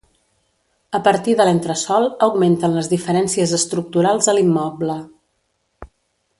A partir de l'entresòl augmenten les diferències estructurals a l'immoble.